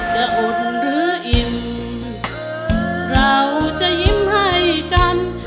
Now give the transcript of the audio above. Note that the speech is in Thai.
อุ่นหรืออิ่มเราจะยิ้มให้กัน